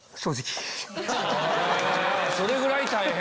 それぐらい大変。